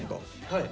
はい。